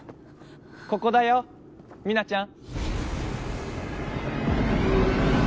ここだよミナちゃん。